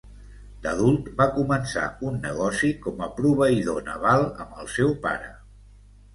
D'adult, va començar un negoci com a proveïdor naval amb el seu pare.